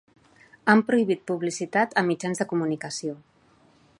Han prohibit publicitat a mitjans de comunicació.